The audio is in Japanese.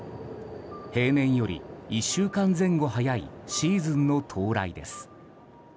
平年より１週間前後早いシーズンの到来です。